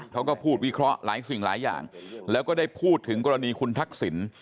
เขาก็พูดวิเคราะห์หลายสิ่งหลายอย่างแล้วก็ได้พูดถึงกรณีคุณทักษิณ